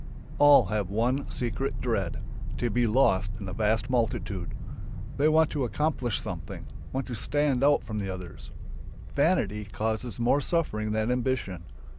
All have one secret dread: To be lost in the vast multitude. They want to accomplish something, want to stand out over the others. Vanity causes more suffering than ambition.